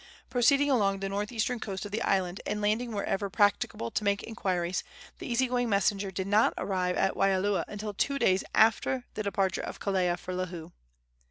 Proceeding along the northeastern coast of the island, and landing wherever practicable to make inquiries, the easy going messenger did not arrive at Waialua until two days after the departure of Kelea for Lihue.